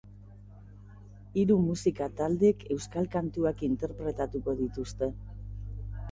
Hiru musika taldek euskal kantuak interpretatuko dituzte.